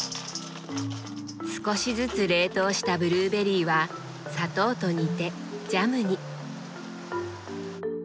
少しずつ冷凍したブルーベリーは砂糖と煮てジャムに。